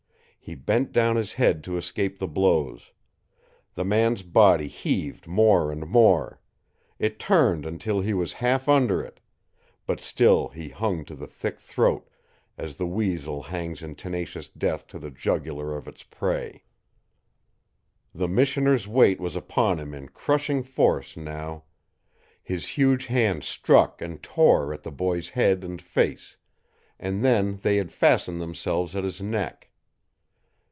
He bent down his head to escape the blows. The man's body heaved more and more; it turned until he was half under it; but still he hung to the thick throat, as the weasel hangs in tenacious death to the jugular of its prey. The missioner's weight was upon him in crushing force now. His huge hands struck and tore at the boy's head and face, and then they had fastened themselves at his neck.